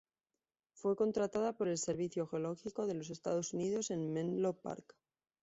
Fue contratada por el Servicio Geológico de los Estados Unidos en Menlo Park.